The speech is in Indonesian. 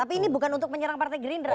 tapi ini bukan untuk menyerang partai gerindra